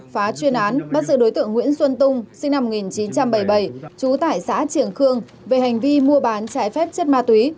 phá chuyên án bắt giữ đối tượng nguyễn xuân tung sinh năm một nghìn chín trăm bảy mươi bảy chú tải xã triều khương về hành vi mua bán trải phép chất ma tuy